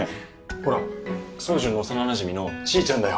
ほら宗純の幼なじみのちーちゃんだよ。